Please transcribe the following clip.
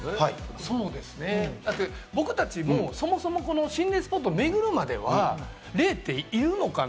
そうですね、僕たちもそもそもこの心霊スポットを巡るまでは霊っているのかな？